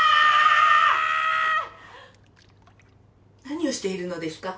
何をしているのですか？